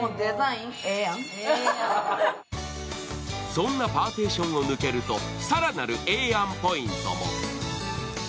そんなパーティションを抜けると更なるええやんポイントも。